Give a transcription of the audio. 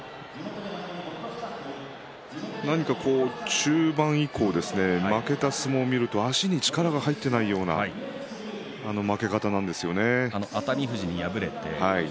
何か中盤以降負けた相撲を見ると足に力が入っていないような負け方なんですよね。